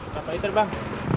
berapa liter bang